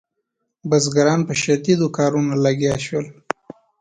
بزګران په شدیدو کارونو لګیا شول.